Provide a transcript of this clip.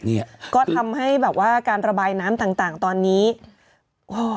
เนี้ยก็ทำให้แบบว่าการระบายน้ำต่างต่างตอนนี้อ่า